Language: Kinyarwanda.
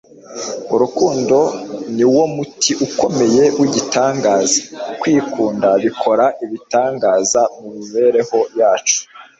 urukundo niwo muti ukomeye w'igitangaza kwikunda bikora ibitangaza mu mibereho yacu